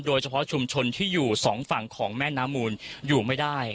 โดยเฉพาะชุมชนที่อยู่สองฝั่งของแม่น้ำมูลอยู่ไม่ได้